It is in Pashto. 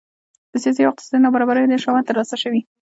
د سیاسي او اقتصادي نابرابرۍ ډېر شواهد ترلاسه شوي